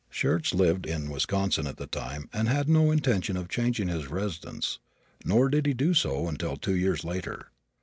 Schurz lived in Wisconsin at the time and had no intention of changing his residence, nor did he do so until two years later.